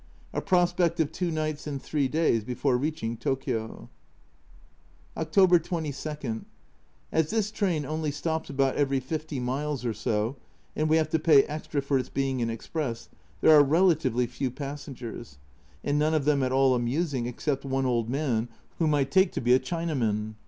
A prospect of two nights and three days before reaching Tokio. October 22. As this train only stops about every fifty miles or so, and we have to pay extra for its being an express, there are relatively few passengers, and none of them at all amusing except one old man, whom I take to be a Chinaman.